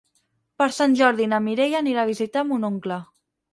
Per Sant Jordi na Mireia anirà a visitar mon oncle.